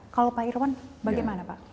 kalau pak irwan bagaimana pak